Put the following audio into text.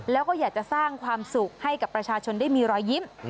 แล้วก็อยากจะสร้างความสุขให้กับประชาชนได้มีรอยยิ้ม